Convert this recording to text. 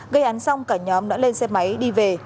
gây án xong cả nhóm đã lên xe máy đi về